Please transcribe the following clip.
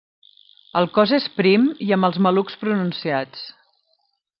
El cos és prim i amb els malucs pronunciats.